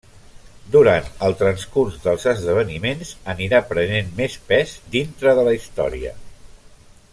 Durant el transcurs dels esdeveniments anirà prenent més pes dintre de la història.